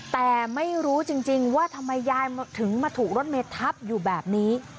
แต่ไม่รู้จริงว่าทำไมยายถึงมาถูกรถเมทับอยู่แบบนี้